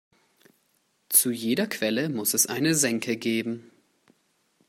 Zu jeder Quelle muss es eine Senke geben.